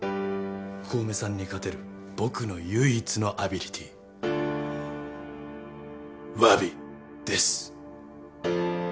小梅さんに勝てる僕の唯一のアビリティーわびです。